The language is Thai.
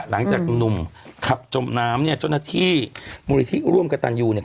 หลังจากหนุ่มขับจมน้ำเนี่ยเจ้าหน้าที่มูลนิธิร่วมกับตันยูเนี่ย